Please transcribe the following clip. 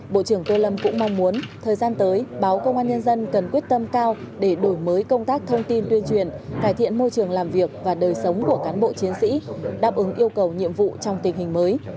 bộ trưởng tô lâm cũng mong muốn thời gian tới báo công an nhân dân cần quyết tâm cao để đổi mới công tác thông tin tuyên truyền cải thiện môi trường làm việc và đời sống của cán bộ chiến sĩ đáp ứng yêu cầu nhiệm vụ trong tình hình mới